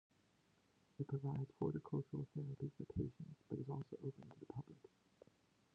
It provides horticultural therapy for patients, but is also open to the public.